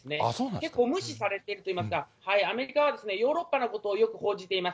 結構無視されているといいますか、アメリカはヨーロッパのことを、よく報じています。